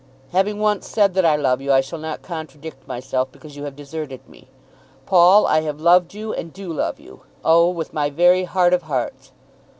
Having once said that I love you I shall not contradict myself because you have deserted me. Paul, I have loved you, and do love you, oh, with my very heart of hearts."